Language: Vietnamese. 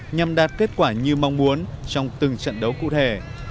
nhằm đạt kết quả như mong muốn trong từng trận đấu cụ thể